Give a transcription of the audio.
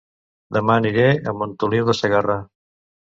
Dema aniré a Montoliu de Segarra